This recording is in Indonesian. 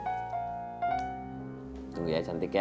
sifaa tunggu ya cantik ya